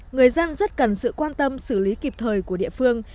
người dân rất cần sự quan tâm xử lý kịp thời của địa phương